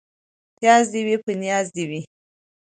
پياز دي وي ، په نياز دي وي.